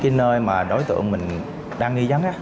cái nơi mà đối tượng mình đang nghi giám